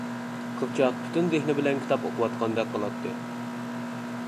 قىزچاق پۈتۈن زېھنى بىلەن كىتاب ئوقۇۋاتقاندەك قىلاتتى.